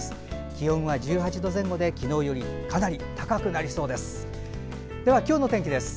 気温は１８度前後で昨日よりかなり高くなりそうです。